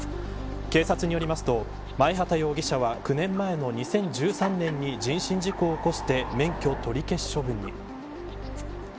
警察によりますと前畑容疑者は９年前の２０１３年に人身事故を起こして免許取り消し処分に。